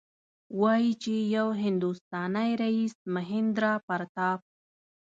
وايي چې یو هندوستانی رئیس مهیندراپراتاپ.